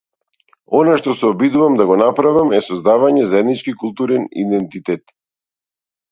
Она што се обидувам да го направам е создавање заеднички културен идентитет.